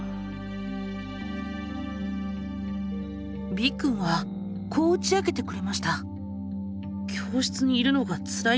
Ｂくんはこう打ち明けてくれました。